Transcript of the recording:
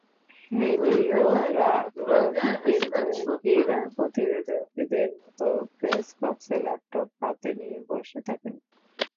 Heliograph কিন্তু ক্রীড়া প্রতিবেদকদের মতো প্রেসবক্সে ল্যাপটপ হাতে নিয়ে বসে থাকে না।